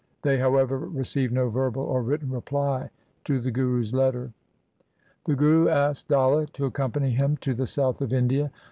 They, however, received no verbal or written reply to the Guru's letter. The Guru asked Dalla to accompany him to the south of India.